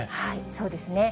そうですね。